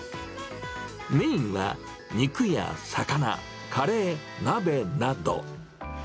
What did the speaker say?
メインは肉や魚、カレー、鍋など。